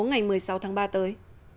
ngày một mươi sáu tháng ba tới